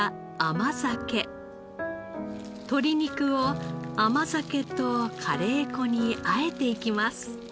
鶏肉を甘酒とカレー粉にあえていきます。